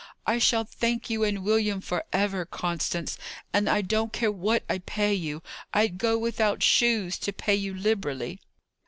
I shall thank you and William for ever, Constance; and I don't care what I pay you. I'd go without shoes to pay you liberally."